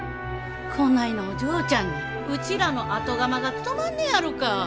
こないなお嬢ちゃんにうちらの後釜が務まんねやろか？